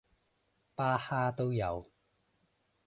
巴哈都有